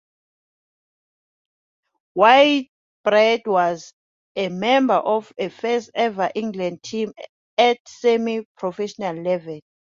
Whitbread was a member of the first ever England team at semi-professional level.